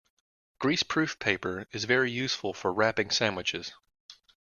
Greaseproof paper is very useful for wrapping sandwiches